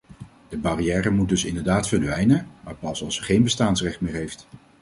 De barrière moet dus inderdaad verdwijnen, maar pas als ze geen bestaansrecht meer heeft.